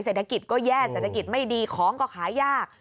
เศรษฐกิจก็แย่เศรษฐกิจไม่ดีของก็ขายยาก